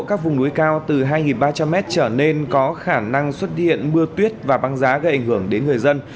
các vùng núi cao từ hai ba trăm linh m trở nên có khả năng xuất hiện mưa tuyết và băng giá gây ảnh hưởng đến người dân